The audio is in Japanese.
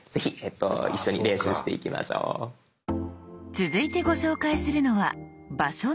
続いてご紹介するのは「場所の共有」。